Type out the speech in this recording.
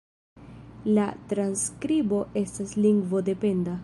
La transskribo estas lingvo-dependa.